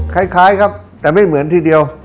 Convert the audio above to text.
คล้ายครับแต่ไม่เหมือนทีเดียว